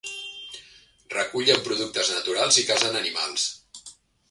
Recullen productes naturals i casen animals.